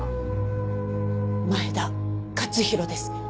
前田勝弘です。